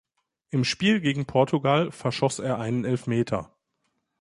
Im Spiel gegen Portugal verschoss er einen Elfmeter.